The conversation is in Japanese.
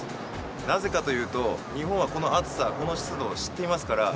なぜかというと、日本はこの暑さ、この湿度を知っていますから。